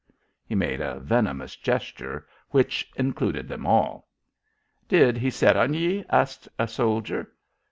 He made a venomous gesture which included them all. "Did he set on ye?" asked a soldier.